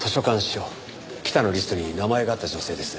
北のリストに名前があった女性です。